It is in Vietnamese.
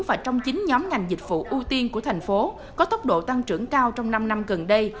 và trong chín nhóm ngành dịch vụ ưu tiên của thành phố có tốc độ tăng trưởng cao trong năm năm gần đây